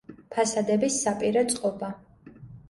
ფასადების საპირე წყობა.